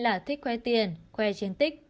là thích khoe tiền khoe chiến tích